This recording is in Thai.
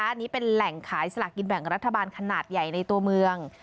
อันนี้เป็นแหล่งขายสลากกินแบ่งรัฐบาลขนาดใหญ่ในตัวเมือง